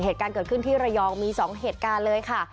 เหตุการณ์เกิดขึ้นที่ระยองมี๒เหตุการณ์เลยค่ะ